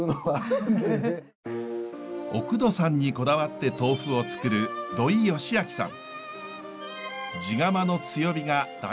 おくどさんにこだわって豆腐をつくる土居佳明さん。